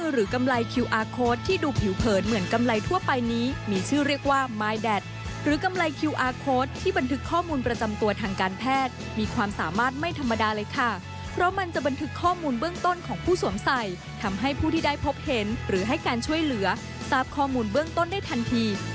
หลักการใช้งานเริ่มจากล็อกอินผ่านเว็บไซต์